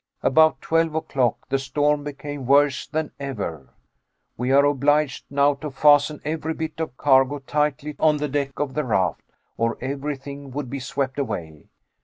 About twelve o'clock the storm became worse than ever. We are obliged now to fasten every bit of cargo tightly on the deck of the raft, or everything would be swept away.